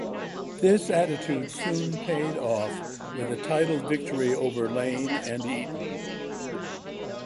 This new attitude soon paid off with a title victory over Lane and Eaton.